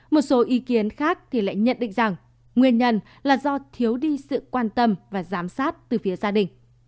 một số ý kiến khác thì lại nhận định rằng nguyên nhân là do thiếu đi sự quan tâm và giám sát từ phía gia đình